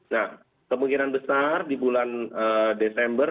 nah kemungkinan besar di bulan desember